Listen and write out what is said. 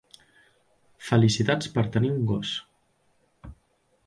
Felicitats per tenir un gos.